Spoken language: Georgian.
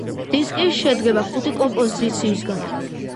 დისკი შედგება ხუთი კომპოზიციისგან.